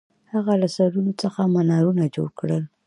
هغه له سرونو څخه منارونه جوړ کړل.